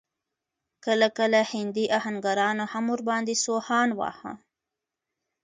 کله کله هندي اهنګرانو هم ور باندې سوهان واهه.